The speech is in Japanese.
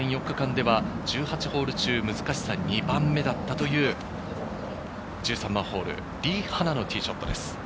昨年４日間では１８ホール中、難しさが２番目だったという１３番ホール、リ・ハナのティーショットです。